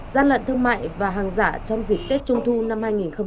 gian lận thương mại và hàng giả trong dịp tiết chung thu năm hai nghìn hai mươi hai